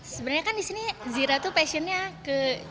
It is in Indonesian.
sebenarnya kan di sini zira tuh passionnya ke